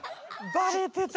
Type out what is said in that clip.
バレてた。